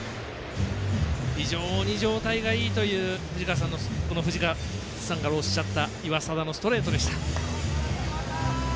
非常に状態がいいという藤川さんがおっしゃった岩貞のストレートでした。